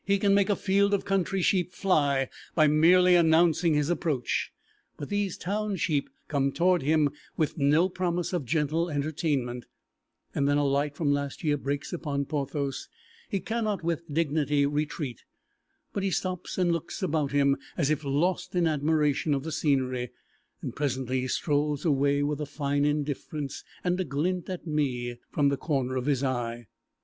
He can make a field of country sheep fly by merely announcing his approach, but these town sheep come toward him with no promise of gentle entertainment, and then a light from last year breaks upon Porthos. He cannot with dignity retreat, but he stops and looks about him as if lost in admiration of the scenery, and presently he strolls away with a fine indifference and a glint at me from the corner of his eye.